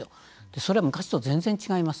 それは昔と全然違います。